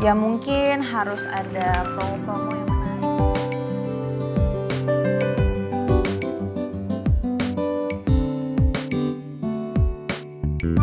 ya mungkin harus ada promo promo yang lain